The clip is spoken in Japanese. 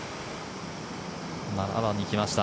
７番に来ました